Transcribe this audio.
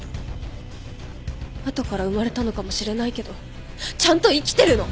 後から生まれたのかもしれないけどちゃんと生きてるの！